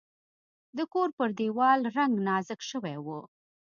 د کور پر دیوال رنګ نازک شوی و.